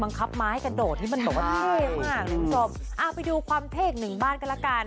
บังคับมาให้กระโดดที่มันบอกว่าเฮ่ยมากสบไปดูความเทศหนึ่งบ้านกันละกัน